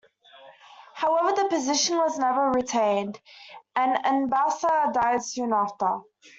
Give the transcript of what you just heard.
However, the position was never retained, and Anbasa died soon after.